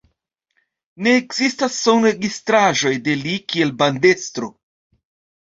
Ne ekzistas sonregistraĵoj de li kiel bandestro.